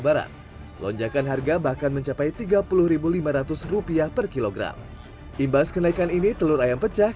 barat lonjakan harga bahkan mencapai tiga puluh lima ratus rupiah per kilogram imbas kenaikan ini telur ayam pecah